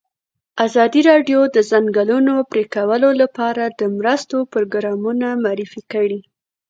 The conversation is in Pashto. ازادي راډیو د د ځنګلونو پرېکول لپاره د مرستو پروګرامونه معرفي کړي.